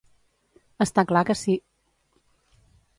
Està clar que sí.